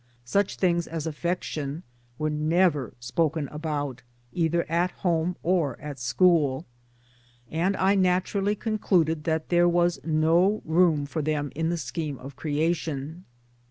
Such things as affection were never spoken about either at home or at school, and I naturally concluded that there was no room for them in the scheme of creation